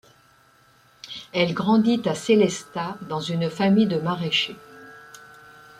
Elle grandit à Sélestat, dans une famille de maraîchers.